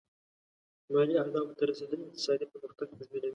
مالي اهدافو ته رسېدل اقتصادي پرمختګ تضمینوي.